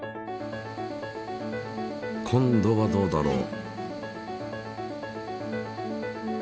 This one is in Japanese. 今度はどうだろう？